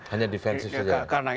hanya defensif saja ya